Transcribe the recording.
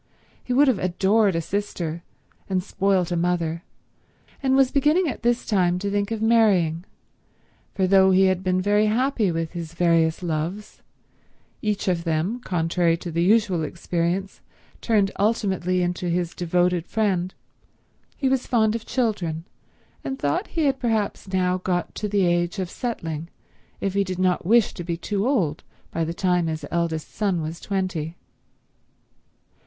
He would have adored a sister and spoilt a mother, and was beginning at this time to think of marrying; for though he had been very happy with his various loves, each of whom, contrary to the usual experience, turned ultimately into his devoted friend, he was fond of children and thought he had perhaps now got to the age of settling if he did not wish to be too old by the time his eldest son was twenty.